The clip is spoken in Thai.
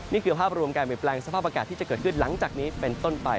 นี่คือภาพรวมการเปลี่ยนแปลงสภาพอากาศที่จะเกิดขึ้นหลังจากนี้เป็นต้นไป